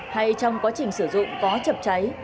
hay trong quá trình sử dụng có chập cháy